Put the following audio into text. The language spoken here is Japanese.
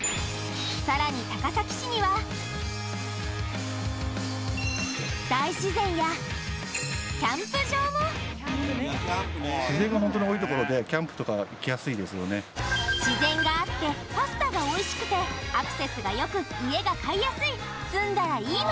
さらに高崎市には大自然やキャンプ場も自然があってパスタがおいしくてアクセスがよく家が買いやすい住んだらいい